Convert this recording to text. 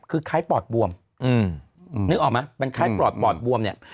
คือไข้ปอดบวมนึกออกมะเป็นไข้ปอดบวมเนี่ย